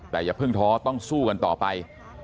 แต่อย่าเพิ่งท้อต้องสู้กันต่อไป